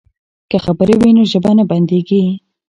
که خبرې وي نو ژبه نه بندیږي.